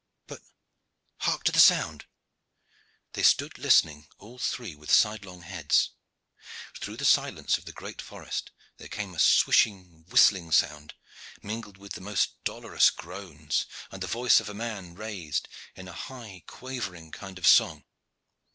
But hark to the sound!" They stood listening all three with sidelong heads. Through the silence of the great forest there came a swishing, whistling sound, mingled with the most dolorous groans, and the voice of a man raised in a high quavering kind of song.